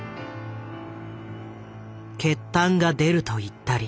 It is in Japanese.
「血痰が出ると言ったり」。